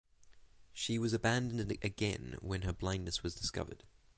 She was abandoned again when her blindness was discovered.